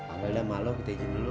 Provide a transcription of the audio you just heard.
apa ada malem kita ijin dulu